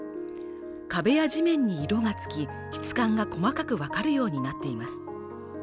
壁や地面に色がつき質感が細かく分かるようになっています